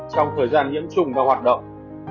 trong thời gian nhiễm trùng và hoạt động